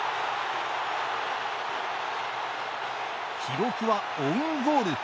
記録はオウンゴール。